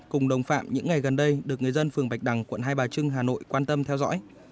cùng đồng phạm những ngày gần đây được người dân phường bạch đằng quận hai bà trưng hà nội quan tâm theo dõi